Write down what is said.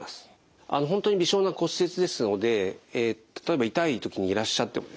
本当に微小な骨折ですので例えば痛い時にいらっしゃってもですね